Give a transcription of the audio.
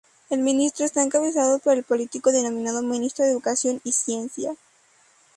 El ministerio está encabezado por el político denominado Ministro de Educación y Ciencia.